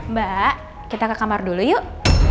mbak kita ke kamar dulu yuk